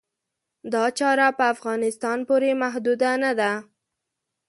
دا چاره په افغانستان پورې محدوده نه ده.